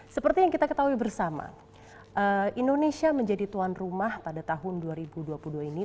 seperti yang kita ketahui bersama indonesia menjadi tuan rumah pada tahun dua ribu dua puluh dua ini